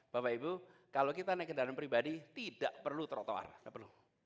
bapak ibu kalau kita naik kendaraan pribadi tidak perlu trotoar tidak perlu